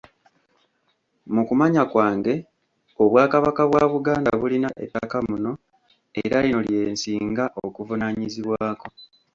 Mu kumanya kwange Obwakabaka bwa Buganda bulina ettaka muno era lino lye nsinga okuvunaanyizibwako.